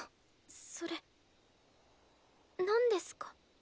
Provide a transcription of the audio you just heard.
それなんですか？